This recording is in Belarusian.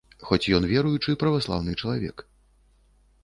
Хоць ён веруючы праваслаўны чалавек.